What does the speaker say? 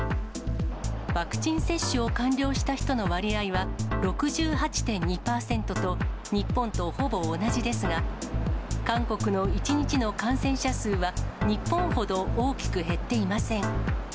ワクチン接種を完了した人の割合は６８．２％と、日本とほぼ同じですが、韓国の１日の感染者数は、日本ほど大きく減っていません。